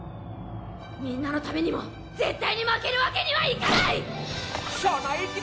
みんなのためにも絶対に負けるわけにはいかない！